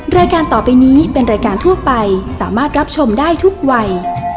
รายการต่อไปนี้เป็นรายการทั่วไปสามารถรับชมได้ทุกวัย